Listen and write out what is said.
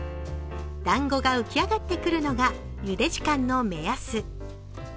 だんごが浮き上がってくるのが、ゆで時間の目安。